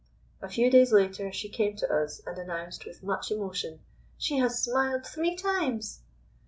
A few days later she came to us, and announced with much emotion: "She has smiled three times!"